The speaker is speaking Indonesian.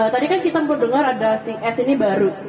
tadi kan kita mendengar ada si s ini baru